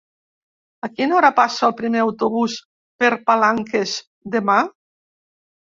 A quina hora passa el primer autobús per Palanques demà?